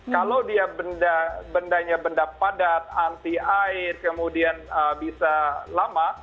kalau dia bendanya benda padat anti air kemudian bisa lama